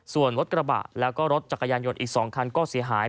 ส่วนรถกระบะแล้วก็รถจักรยานยนต์อีก๒คันก็เสียหาย